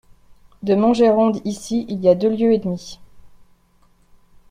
De Montgeron ici il y a deux lieues et demie.